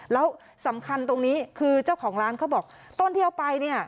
แล้วสำคัญตรงนี้คือเจ้าของร้านเขาบอกต้นที่เอาไปเนี่ย